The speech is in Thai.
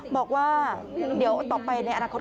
บอกว่าเดี๋ยวต่อไปในอนาคต